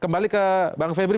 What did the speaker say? kembali ke bang febri